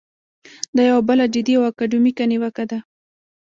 دا یوه بله جدي او اکاډمیکه نیوکه ده.